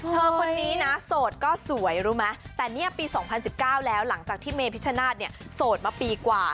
คนนี้นะโสดก็สวยรู้ไหมแต่เนี่ยปี๒๐๑๙แล้วหลังจากที่เมพิชชนาธิ์เนี่ยโสดมาปีกว่า